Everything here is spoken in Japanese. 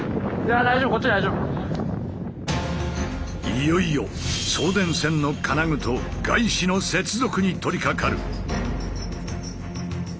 いよいよ送電線の金具とガイシの接続に取りかかる。